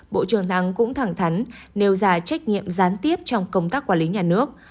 bộ trưởng thắng cũng thẳng thắn nêu ra trách nhiệm gián tiếp trong công tác quản lý nhà nước